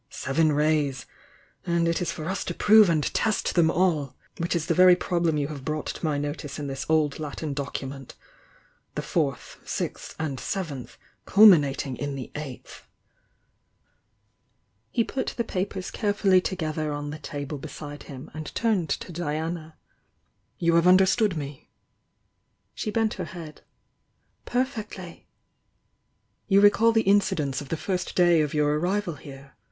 Seven Rays! — and it is for us to prove and test them all! — which is the very problem you have brought to my notice in this old Latin document: 'the Fourth, Sixth and Seventh, culminating in the Eighth.' " He put the papers carefully together on the table beside him, and turned to Diana. "You have understood me?" She bent her head. "Perfectly!" "You recall the incidents of the first day of your arrival here?